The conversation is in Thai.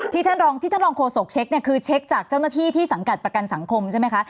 ท่านรองที่ท่านรองโฆษกเช็คเนี่ยคือเช็คจากเจ้าหน้าที่ที่สังกัดประกันสังคมใช่ไหมคะ